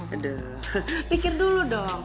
aduh pikir dulu dong